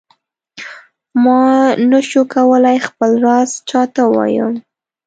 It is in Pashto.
ما نه شو کولای خپل راز چاته ووایم.